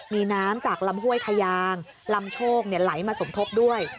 มีน้ำจากลำห้วยทะยางลำโชคไหลมาสมทบด้วย